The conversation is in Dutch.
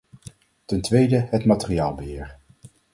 Ten tweede, het materiaalbeheer.